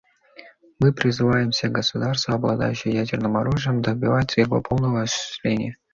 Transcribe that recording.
Мы призываем все государства, обладающие ядерным оружием, добиваться его полного осуществления.